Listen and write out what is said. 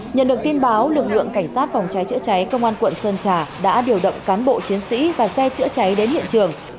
nhận được tin báo lực lượng cảnh sát phòng cháy chữa cháy công an quận sơn trà đã điều động cán bộ chiến sĩ và xe chữa cháy đến hiện trường